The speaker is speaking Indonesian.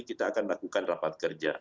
nanti kita akan lakukan rapat kerja